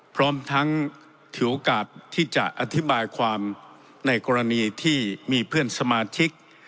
พร้อมทั้งถือโอกาสที่จะอธิบายความในกรณีที่มีเพื่อนสมาชิก